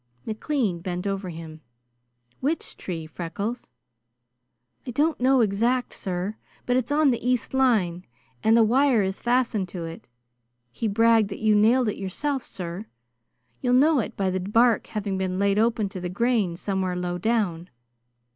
McLean bent over him. "Which tree, Freckles?" "I don't know exact sir; but it's on the east line, and the wire is fastened to it. He bragged that you nailed it yourself, sir. You'll know it by the bark having been laid open to the grain somewhere low down.